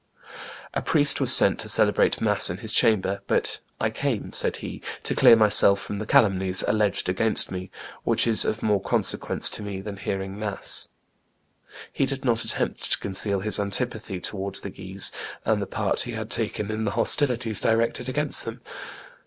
A priest was sent to celebrate mass in his chamber: but "I came," said he, "to clear myself from the calumnies alleged against me, which is of more consequence to me than hearing mass." He did not attempt to conceal his antipathy towards the Guises, and the part he had taken in the hostilities directed against them.